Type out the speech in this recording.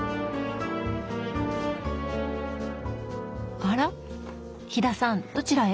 あら飛田さんどちらへ？